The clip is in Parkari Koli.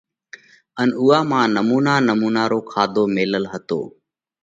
ان اُوئا مانه نمُونا نمُونا رو کاڌو ميلل هتو۔